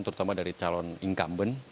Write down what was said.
terutama dari calon incumbent